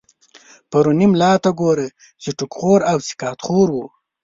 پرو ني ملا ته ګوره، چی ټو ک خور و سقا ط خورو